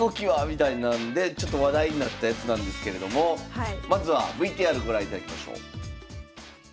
みたいなんでちょっと話題になったやつなんですけれどもまずはＶＴＲご覧いただきましょう。